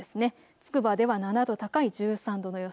つくばでは７度高い１３度の予想。